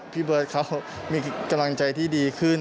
พี่เบิร์ตเขามีกำลังใจที่ดีขึ้น